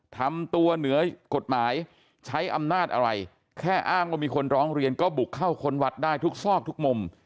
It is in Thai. ทำตัวเหนือกฎหมายใช้อำนาจอะไรแค่อ้างว่ามีคนร้องเรียนก็บุกเข้าค้นวัดได้ทุกซอกทุกมุม